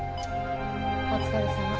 お疲れさま。